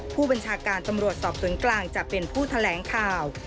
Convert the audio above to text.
ผู้บัญชาการตำรวจสอบสวนกลางจะเป็นผู้แถลงข่าว